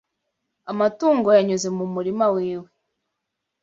Amatungo yanyuze mu murima wiwe